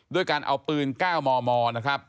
ด้วยการเอาปืน๙มมนะครับ